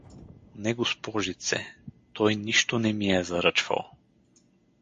— Не, г-це, той нищо не ми е заръчвал.